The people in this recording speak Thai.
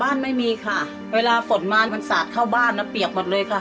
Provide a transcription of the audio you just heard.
ไม่มีค่ะเวลาฝนมามันสาดเข้าบ้านนะเปียกหมดเลยค่ะ